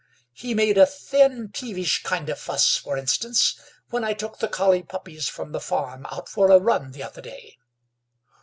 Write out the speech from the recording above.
He made a thin, peevish kind of fuss, for instance, when I took the collie puppies from the farm out for a run the other day."